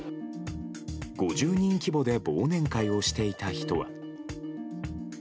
５０人規模で忘年会をしていた人は。